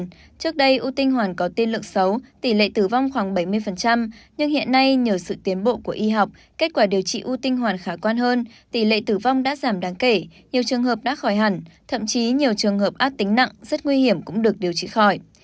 tuy nhiên trước đây u tinh hoàn có tiên lượng xấu tỷ lệ tử vong khoảng bảy mươi nhưng hiện nay nhờ sự tiến bộ của y học kết quả điều trị u tinh hoàn khả quan hơn tỷ lệ tử vong đã giảm đáng kể nhiều trường hợp đã khỏi hẳn thậm chí nhiều trường hợp ác tính nặng rất nguy hiểm cũng được điều trị khỏi